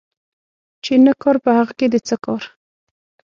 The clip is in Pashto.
چي نه کار ، په هغه دي څه کار